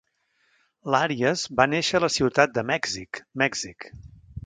L'Arias va néixer a la ciutat de Mèxic, Mèxic.